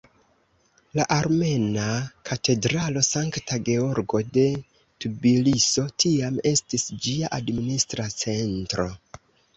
La armena katedralo Sankta Georgo de Tbiliso tiam estis ĝia administra centro.